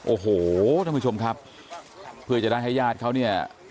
โอ้โหท่านผู้ชมครับเพื่อจะได้ให้ญาติเขาเนี่ย